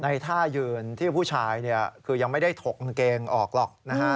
ในท่ายืนที่ผู้ชายคือยังไม่ได้ถกเกงออกหรอกนะฮะ